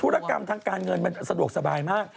รกรรมทางการเงินมันสะดวกสบายมาก